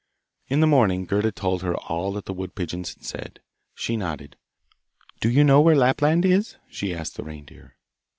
In the morning Gerda told her all that the wood pigeons had said. She nodded. 'Do you know where Lapland is?' she asked the reindeer.